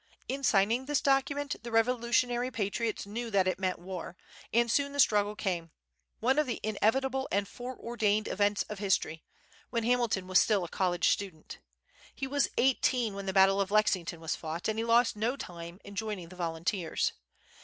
In signing this document the Revolutionary patriots knew that it meant war; and soon the struggle came, one of the inevitable and foreordained events of history, when Hamilton was still a college student. He was eighteen when the battle of Lexington was fought; and he lost no time in joining the volunteers.